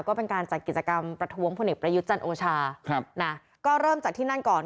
ก็เป็นการจัดกิจกรรมประท้วงพลเอกประยุทธ์จันทร์โอชาครับนะก็เริ่มจากที่นั่นก่อน